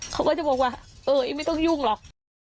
เขาก็จะบอกว่าเออเองไม่ต้องยุ่งหรอก